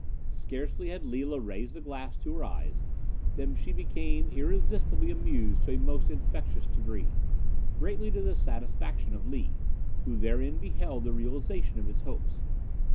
Scarcely had Lila raised the glass to her eyes than she became irresistibly amused to a most infectious degree, greatly to the satisfaction of Lee, who therein beheld the realization of his hopes.